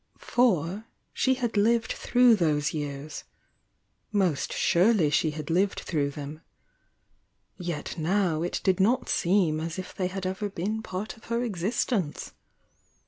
For she had lived through those years,— most surely she had lived through them,— yet now it did not seem as if they had ever been part of her existence.